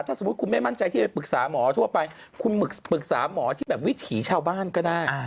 ถ้าสมมุติคุณไม่มั่นใจที่ไปปรึกษาหมอทั่วไปคุณปรึกษาหมอที่แบบวิถีชาวบ้านก็ได้